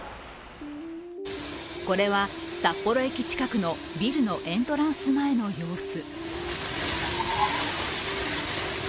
これは、札幌駅近くのビルのエントランス前の様子。